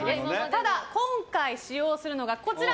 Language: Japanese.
ただ、今回使用するのがこちら！